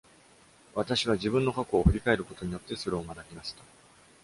私は自分の過去を振り返ることによってそれを学びました。